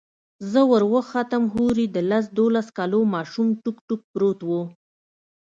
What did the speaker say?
زه وروختم هورې د لس دولسو كالو ماشوم ټوك ټوك پروت و.